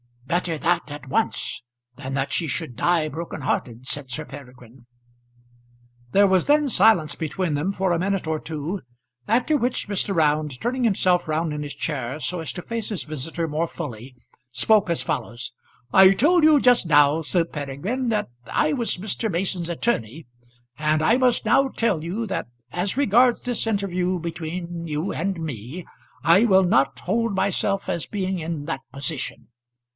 "Better that, at once, than that she should die broken hearted," said Sir Peregrine. There was then silence between them for a minute or two, after which Mr. Round, turning himself round in his chair so as to face his visitor more fully, spoke as follows. "I told you just now, Sir Peregrine, that I was Mr. Mason's attorney, and I must now tell you, that as regards this interview between you and me, I will not hold myself as being in that position.